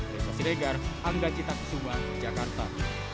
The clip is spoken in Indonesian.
dari pasir egar angga cita kisumah jakarta